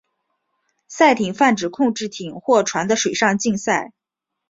赛艇泛指控制艇或船的水上竞赛。